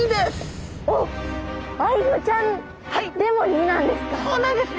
おっアイゴちゃんでも２なんですか。